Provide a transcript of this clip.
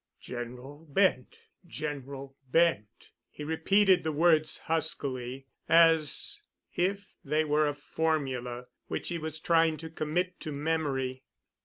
"General—Bent—General—Bent," he repeated the words huskily, as if they were a formula which he was trying to commit to memory.